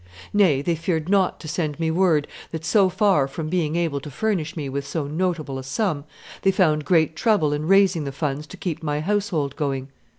Nay, they feared not to send me word that so far from being able to furnish me with so notable a sum, they found great trouble in raising the funds to keep my household going.